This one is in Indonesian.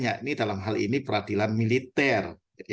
yakni dalam hal ini peradilan militer